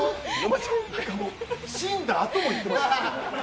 死んだあともやってましたよ。